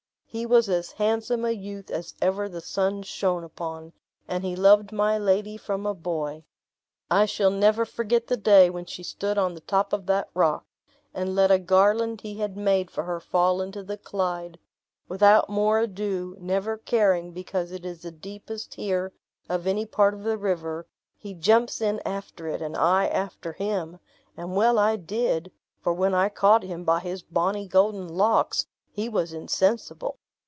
He was as handsome a youth as ever the sun shone upon, and he loved my lady from a boy. I never shall forget the day when she stood on the top of that rock, and let a garland he had made for her fall into the Clyde. Without more ado, never caring because it is the deepest here of any part of the river, he jumps in after it, and I after him; and well I did, for when I caught him by his bonny golden locks, he was insensible.